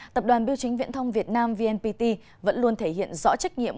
tập đoàn biêu chính viễn thông việt nam vnpt vẫn luôn thể hiện rõ trách nhiệm